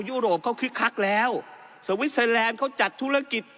ยุโรปเขาคึกคักแล้วสวิสเตอร์แลนด์เขาจัดธุรกิจ